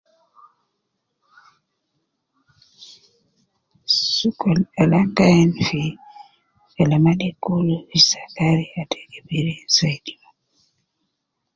Sokol al ana gi ayin fi kalama de kulu, sakari ata kibiri zayidi ma.